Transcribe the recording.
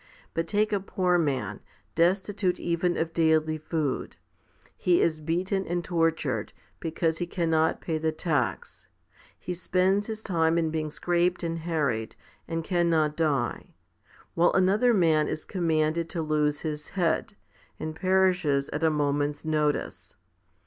1 But take a poor man, destitute even of daily food; he is beaten and tortured, because he cannot pay the tax ; he spends his time in being scraped and harried, and cannot die ; while another man is commanded to lose his head, and perishes at a moment's notice.